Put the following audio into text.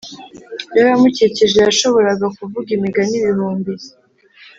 Yari amukikije yashoboraga kuvuga imigani ibihumbi